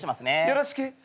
よろしく。